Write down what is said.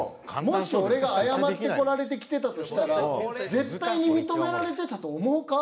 もし俺が謝ってこられてきてたとしたら絶対に認められてたと思うか？